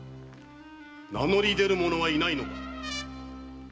名乗り出る者はいないのか？